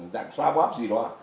dạng xoa bóp gì đó